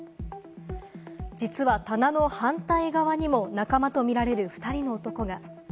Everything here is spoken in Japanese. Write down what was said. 実は棚の反対側にも仲間とみられる２人の男が。